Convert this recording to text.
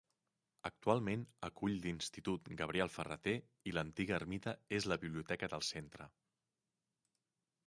Actualment acull l'Institut Gabriel Ferrater i l'antiga ermita és la biblioteca del centre.